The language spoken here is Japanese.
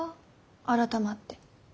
改まって。